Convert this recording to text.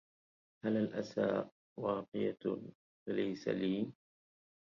هل الأسى واقيه فليس لي